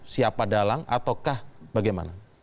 siapa dalam ataukah bagaimana